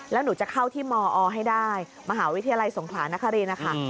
แล้วหนูจะเข้าที่มอให้ได้มหาวิทยาลัยสงขลานครินนะคะ